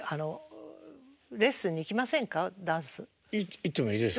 行ってもいいですか？